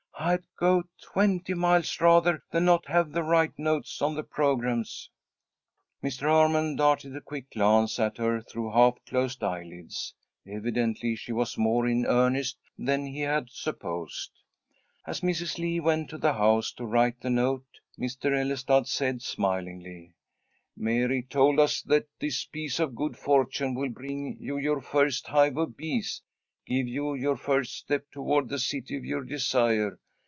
I'd go twenty miles rather than not have the right notes on the programmes." Mr. Armond darted a quick glance at her through half closed eyelids. Evidently she was more in earnest than he had supposed. As Mrs. Lee went to the house to write the note, Mr. Ellestad said, smilingly, "Mary told us that this piece of good fortune will bring you your first hive of bees, give you your first step toward the City of your Desire.